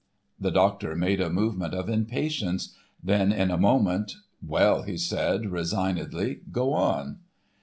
The doctor made a movement of impatience. Then in a moment, "Well," he said, resignedly, "go on."